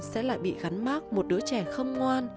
sẽ lại bị gắn mát một đứa trẻ không ngoan